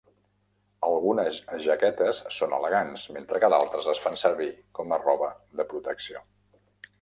Algunes jaquetes són elegants, mentre que d'altres es fan servir com a roba de protecció.